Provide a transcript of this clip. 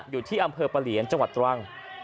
อยู่ที่อำเภอปะเหลียนจังหวัดตรัง